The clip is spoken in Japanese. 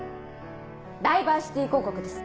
ダイバーシティ広告です。